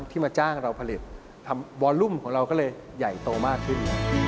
ที่มาจ้างเราผลิตทำวอลุ่มของเราก็เลยใหญ่โตมากขึ้น